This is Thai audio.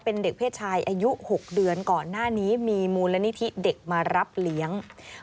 เป็นเด็กเพศชายอายุ๖เดือนก่อนหน้านี้มีมูลนิธิเด็กมารับเลี้ยง